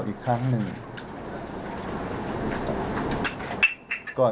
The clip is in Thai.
พร้อมแล้วเลยค่ะ